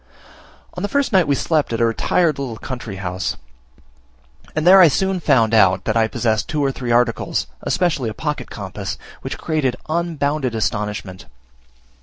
On the first night we slept at a retired little country house; and there I soon found out that I possessed two or three articles, especially a pocket compass, which created unbounded astonishment.